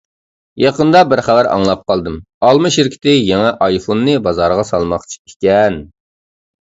يېقىندا بىر خەۋەر ئاڭلاپ قالدىم: ئالما شىركىتى يېڭى ئايفوننى بازارغا سالماقچىكەن.